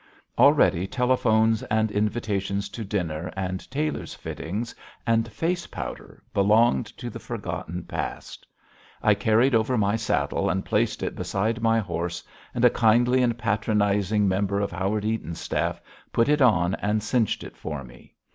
Already telephones and invitations to dinner and tailor's fittings and face powder belonged to the forgotten past. I carried over my saddle and placed it beside my horse, and a kindly and patronizing member of Howard Eaton's staff put it on and cinched it for me.